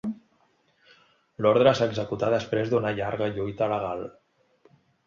L'ordre s'executà després d'una llarga lluita legal.